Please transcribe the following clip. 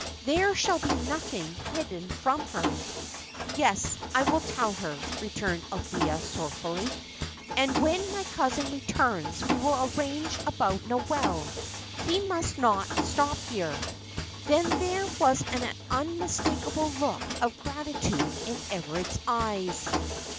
There shall be nothing hidden from her." "Yes, I will tell her," returned Althea, sorrowfully. "And when my cousin returns, we will arrange about Noel; he must not stop here." Then there was an unmistakable look of gratitude in Everard's eyes.